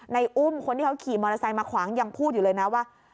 อุ้มคนที่เขาขี่มอเตอร์ไซค์มาขวางยังพูดอยู่เลยนะว่า